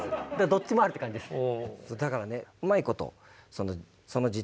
どっちもありって感じですね。